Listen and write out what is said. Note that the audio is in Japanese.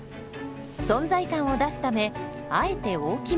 存在感を出すためあえて大きめに。